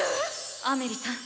⁉アメリさん